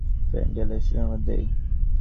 Fred এলে সুসংবাদটা দেই।